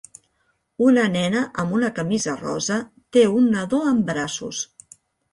Una nena amb una camisa rosa té un nadó en braços